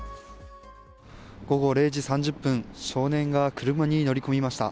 午後０時３０分、少年が車に乗り込みました。